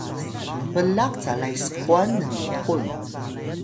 blaq calay skwan nniqun